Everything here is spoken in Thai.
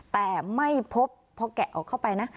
แต่ไม่พบพอแกะออกเข้าไปนะ